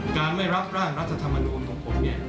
ไม่รับร่างรัฐธรรมนูลของผมเนี่ย